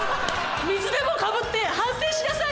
水でもかぶって反省しなさい！